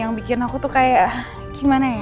yang bikin aku tuh kayak gimana ya